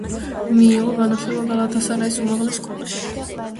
მიიღო განათლება გალათასარაის უმაღლეს სკოლაში.